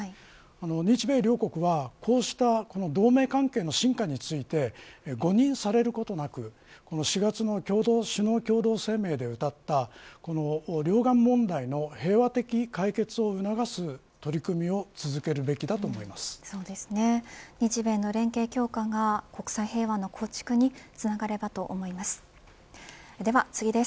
日米両国はこうした同盟関係の進化について誤認されることなく４月の首脳共同声明でうたった両岸問題の平和的解決を促す取り組みを日米の連携強化が国際平和の構築につながればと思います。